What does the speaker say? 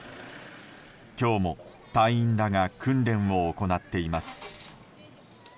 今日も隊員らが訓練を行っています。